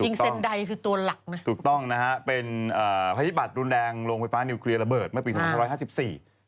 จริงเซ็นไดคือตัวหลักมั้ยถูกต้องนะฮะเป็นภัยบัตรรุนแดงโรงไฟฟ้านิวเคลียร์ระเบิดเมื่อปี๑๙๕๔